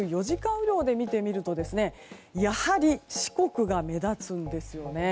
雨量で見てみるとやはり四国が目立つんですよね。